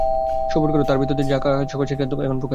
সবুর কর, তাঁর ভিতর দিয়ে যা কাজ হবার, সেইটা এখন প্রকাশ হচ্ছে।